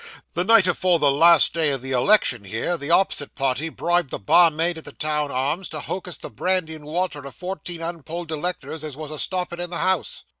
'The night afore the last day o' the last election here, the opposite party bribed the barmaid at the Town Arms, to hocus the brandy and water of fourteen unpolled electors as was a stoppin' in the house.